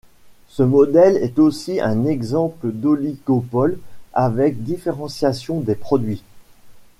Ce modèle est aussi un exemple d’oligopole avec différenciation des produits.